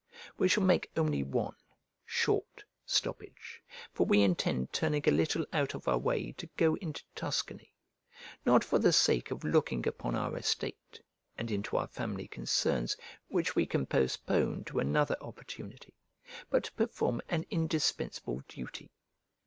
We shall make only one, short, stoppage, for we intend turning a little out of our way to go into Tuscany: not for the sake of looking upon our estate, and into our family concerns, which we can postpone to another opportunity, but to perform an indispensable duty.